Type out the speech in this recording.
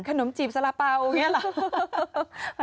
ขนมจิบสละเปาอย่างนี้เหรอ